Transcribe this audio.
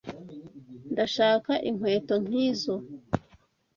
Ndashaka inkweto nkizo.